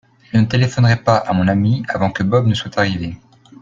Je ne téléphonerai pas à mon ami avant que Bob ne soit arrivé.